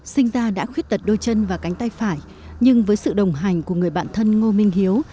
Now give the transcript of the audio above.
sinh ta đã khuyết tật đôi chân và cánh tay phải nhưng với sự đồng hành của người bạn thân ngô minh hiếu